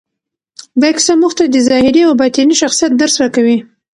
دا کیسه موږ ته د ظاهري او باطني شخصیت درس راکوي.